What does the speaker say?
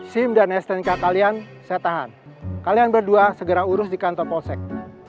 sim dan stnk kalian saya tahan kalian berdua segera urus di kantor polsek